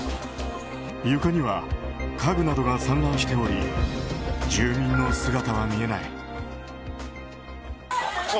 床には家具などが散乱しており住民の姿は見えない。